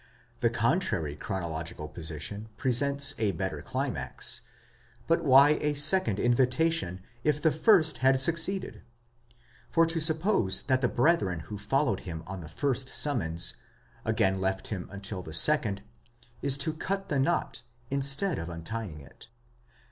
The contrary chronologi cal position presents a better climax ; but why a second invitation, if the first had succeeded ?_ For to suppose that the brethren who followed him on the first summons, again left him until the second, is to cut the knot, instead of untying it.